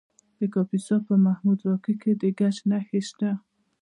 د کاپیسا په محمود راقي کې د ګچ نښې شته.